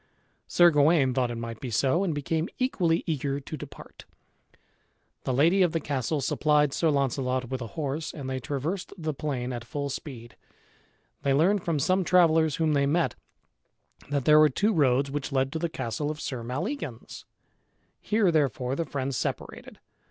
Sir Gawain thought it might be so, and became equally eager to depart. The lady of the castle supplied Sir Launcelot with a horse and they traversed the plain at full speed. They learned from some travellers whom they met, that there were two roads which led to the castle of Sir Maleagans. Here therefore the friends separated.